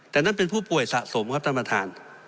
แต่นั่นเป็นผู้ป่วยสะสมครับท่านประธาน